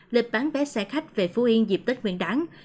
lịch bán vé xe khách về phú yên dịp tết nguyên đáng